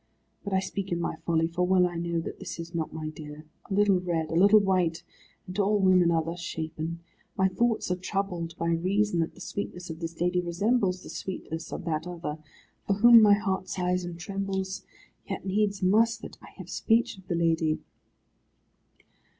But I speak in my folly, for well I know that this is not my dear. A little red, a little white, and all women are thus shapen. My thoughts are troubled, by reason that the sweetness of this lady resembles the sweetness of that other, for whom my heart sighs and trembles. Yet needs must that I have speech of the lady."